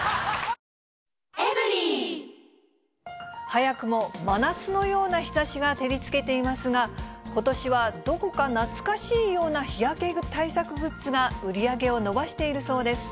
早くも真夏のような日ざしが照りつけていますが、ことしはどこか懐かしいような日焼け対策グッズが売り上げを伸ばしているそうです。